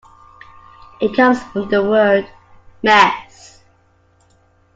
It comes from the word mess.